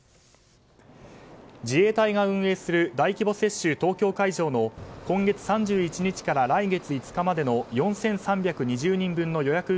自衛隊が運営する大規模接種・東京会場の今月３１日から来月５日までの４３２０人分の予約